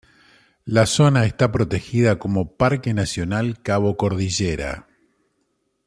La zona está protegida como Parque Nacional Cabo Cordillera.